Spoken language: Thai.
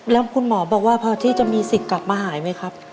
แล้วคุณหมอบอกว่าพอที่จะมีสิทธิ์กลับมาหายไหมครับ